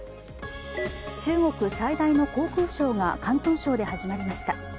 中国最大の航空ショーが広東省で始まりました。